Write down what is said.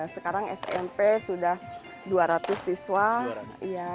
sekarang smp sudah dua ratus siswa